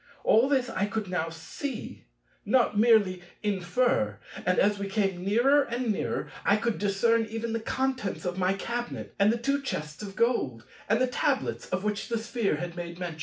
All this I could now see, not merely infer; and as we came nearer and nearer, I could discern even the contents of my cabinet, and the two chests of gold, and the tablets of which the Sphere had made mention.